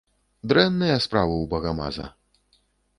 Дрэнныя справы ў багамаза.